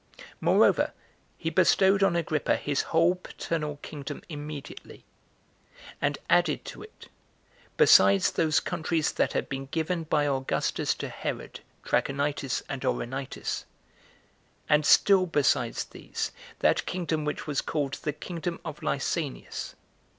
Moreover, he bestowed on Agrippa his whole paternal kingdom immediately, and added to it, besides those countries that had been given by Augustus to Herod, Trachonitis and Auranitis, and still besides these, that kingdom which was called the kingdom of Lysanius.